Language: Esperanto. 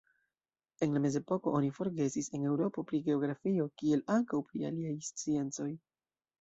En la mezepoko oni forgesis en Eŭropo pri geografio, kiel ankaŭ pri aliaj sciencoj.